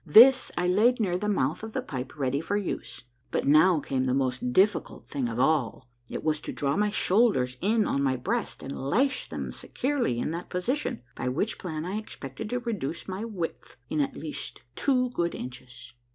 This I laid near the mouth of the pipe ready for use. But now came the most difficult thing of all — it was to draw my shoulders in on my breast and lash them securely in that position, by which plan I expected to reduce my width Iw at least two good inches.